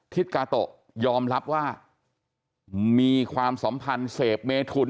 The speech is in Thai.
กาโตะยอมรับว่ามีความสัมพันธ์เสพเมทุน